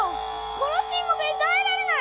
このちんもくにたえられない！